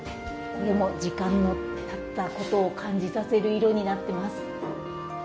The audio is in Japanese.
これも時間のたったことを感じさせる色になってます。